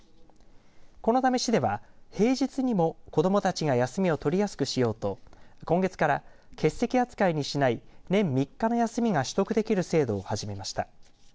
このため市では、平日にも子どもたちが休みを取りやすくしようと今月から欠席扱いにしない年３日の休みが取得できる制度を始めました。